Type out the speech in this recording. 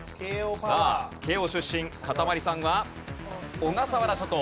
さあ慶應出身かたまりさんはおがさわら諸島。